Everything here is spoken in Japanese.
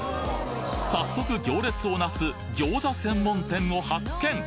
早速行列をなす餃子専門店を発見！